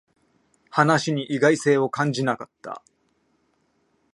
話に意外性を感じなかった